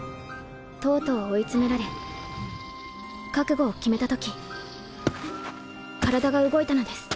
とうとう追い詰められ覚悟を決めた時体が動いたのです。